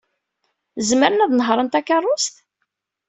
Zemren ad nehṛen takeṛṛust?